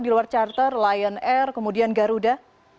di luar charter lion air kemudian garuda